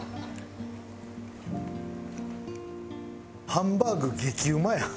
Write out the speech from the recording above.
ハンバーグ激うまやん。